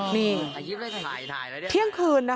ที่เที่ยงคืนนะค่ะ